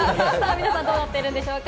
皆さんどうなっているんでしょうか？